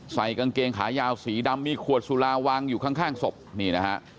ใส่กางเกงขายาวสีดำมีขวดสุราวางอยู่ข้างศพนี่นะฮะ